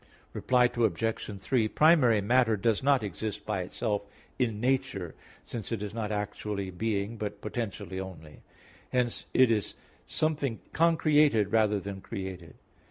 Reply Obj. 3: Primary matter does not exist by itself in nature, since it is not actually being, but potentially only; hence it is something concreated rather than created.